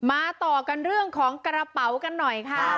ต่อกันเรื่องของกระเป๋ากันหน่อยค่ะ